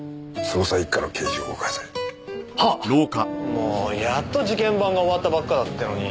もうやっと事件番が終わったばっかだってのに。